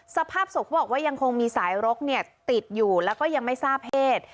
สภาพศพเขาบอกว่ายังคงมีสายรกติดอยู่แล้วก็ยังไม่ทราบเพศ